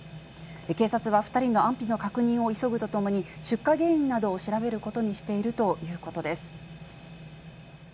警察は２人の安否の確認を急ぐとともに、出火原因などを調べることにしているということです。